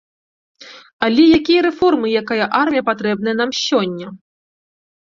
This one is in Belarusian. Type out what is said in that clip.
Але якія рэформы і якая армія патрэбная нам сёння?